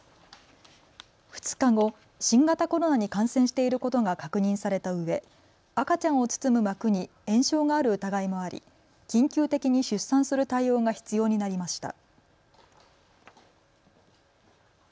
２日後、新型コロナに感染していることが確認されたうえ赤ちゃんを包む膜に炎症がある疑いもあり緊急的に出産する対応が必要になりました。